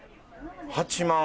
８万。